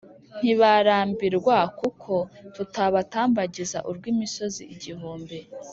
Ntibarambirwa kuko tubatambagiza urw'imisozi igihumbi